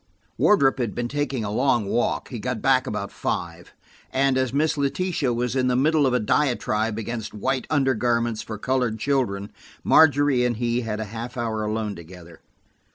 Wardrop had been taking a long walk; he got back about five, and as Miss Letitia was in the middle of a diatribe against white undergarments for colored children, Margery and he had a half hour alone together.